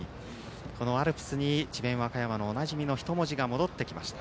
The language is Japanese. アルプスに、智弁和歌山のおなじみの人文字が戻ってきました。